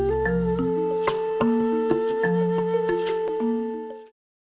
sebuah perangai yang terkandung di setiap helainya